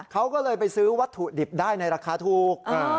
เขาก็เลยไปซื้อวัตถุดิบได้ในราคาถูก